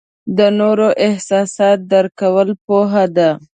د نورو احساسات درک کول پوهه ده.